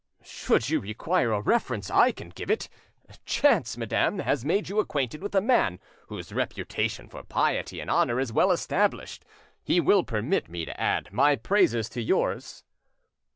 "Should you require a reference, I can give it. Chance, madame, has made you acquainted with a man whose, reputation for piety and honour is well established; he will permit me to add my praises to yours."